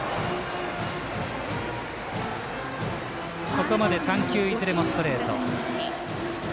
ここまで３球いずれもストレート。